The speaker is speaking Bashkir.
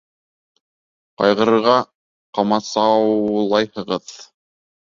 Ҡайғырырға ҡамасаулайһығыҙ.